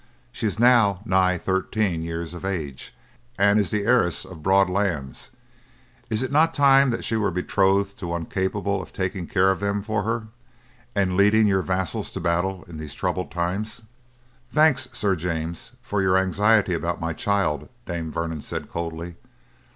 She is now nigh thirteen years of age, and is the heiress of broad lands; is it not time that she were betrothed to one capable of taking care of them for her, and leading your vassals to battle in these troubled times?" "Thanks, Sir James, for your anxiety about my child," Dame Vernon said coldly.